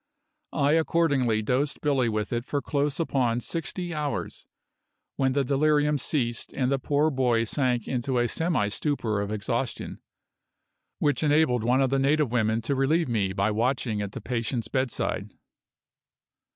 I accordingly dosed Billy with it for close upon sixty hours, when the delirium ceased and the poor boy sank into a semi stupor of exhaustion, which enabled one of the native women to relieve me by watching at the patient's bedside.